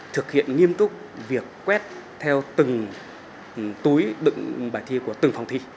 thực hiện nghiêm túc việc quét theo từng túi đựng bài thi của từng phòng thi